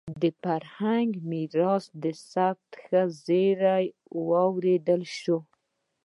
د فرهنګي میراث د ثبت ښه زېری واورېدل شو.